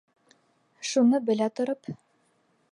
Шуны белә тороп!